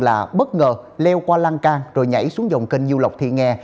là bất ngờ leo qua lang cang rồi nhảy xuống dòng kênh du lọc thị nghe